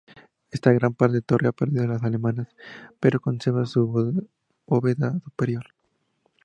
Esta gran torre ha perdido las almenas, pero conserva su bóveda superior.